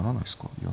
いや。